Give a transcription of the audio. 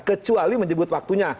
kecuali menyebut waktunya